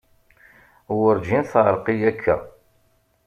Werǧin teεreq-iyi akka.